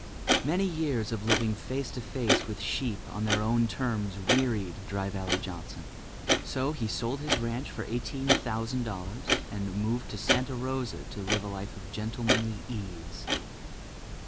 Many years of living face to face with sheep on their own terms wearied Dry Valley Johnson. So, he sold his ranch for eighteen thousand dollars and moved to Santa Rosa to live a life of gentlemanly ease.